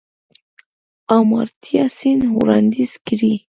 آمارتیا سېن وړانديز کړی.